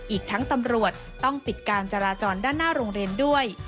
อีกทั้งตำรวจต้องปิดการจราจรด้านหน้าโรงเรียนด้วย